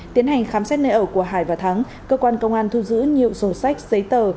tiến hành khám xét nơi ở của hải và thắng cơ quan công an thu giữ nhiều sổ sách giấy tờ